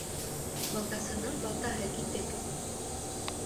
Балтасының балтаһы китек.